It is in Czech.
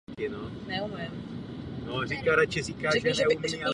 Oblast odpovídá upřímné snaze lidí o spravedlnost v našem hospodářství.